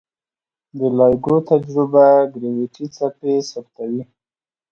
د لایګو تجربه ګرویتي څپې ثبتوي.